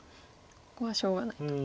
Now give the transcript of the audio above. ここはしょうがないと。